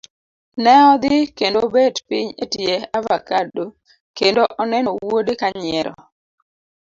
Ne odhi kendo obet piny etie avacado kendo oneno wuode ka nyiero.